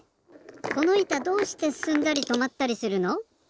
このいたどうしてすすんだりとまったりするの？